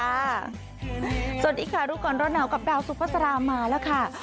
สวัสดีค่ะรู้ก่อนร้อนหนาวกับดาวสุภาษามาแล้วค่ะ